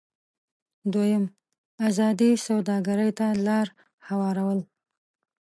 دویم: ازادې سوداګرۍ ته لار هوارول.